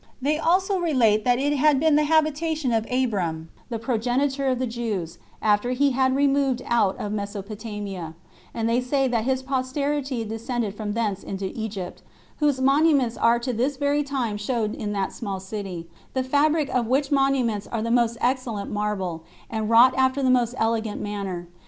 They also relate that it had been the habitation of Abram, the progenitor of the Jews, after he had removed out of Mesopotamia; and they say that his posterity descended from thence into Egypt, whose monuments are to this very time showed in that small city; the fabric of which monuments are of the most excellent marble, and wrought after the most elegant manner.